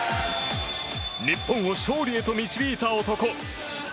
日本を勝利へと導いた男